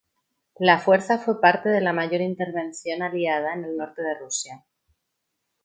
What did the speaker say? La fuerza fue parte de la mayor intervención aliada en el norte de Rusia.